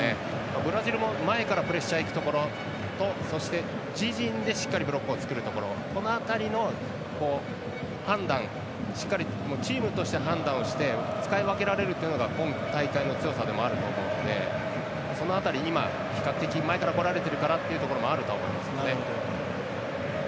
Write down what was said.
ブラジルも前からプレッシャーに行くところそして、自陣でしっかりブロックを作るところこの辺りの判断、しっかりチームとして判断をして使い分けられるというのが今大会の強さでもあると思うのでその辺り、比較的、今前から来られているからっていうところもあると思います。